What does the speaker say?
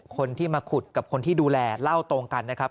คนที่มาขุดกับคนที่ดูแลเล่าตรงกันนะครับ